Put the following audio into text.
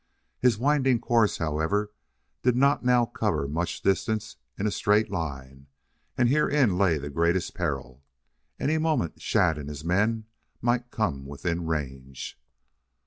His winding course, however, did not now cover much distance in a straight line, and herein lay the greatest peril. Any moment Shadd and his men might come within range.